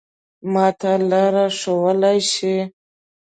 ما ته لاره ښوولای شې؟